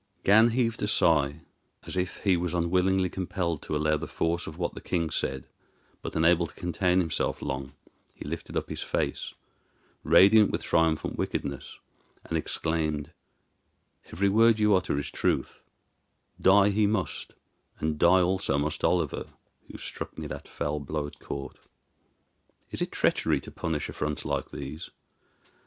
Gan heaved a sigh, as if he was unwillingly compelled to allow the force of what the king said; but unable to contain himself long he lifted up his face, radiant with triumphant wickedness, and exclaimed: "Every word you utter is truth; die he must, and die also must Oliver, who struck me that foul blow at court. Is it treachery to punish affronts like these?